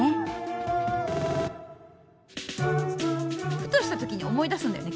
ふとした時に思い出すんだよね